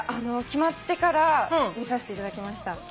決まってから見させていただきました。